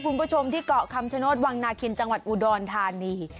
คุณผู้ชมที่เกาะคำชโนธวังนาคินจังหวัดอุดรธานี